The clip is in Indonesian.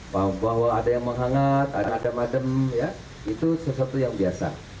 bahwa ada yang menghangat ada ada madem itu sesuatu yang biasa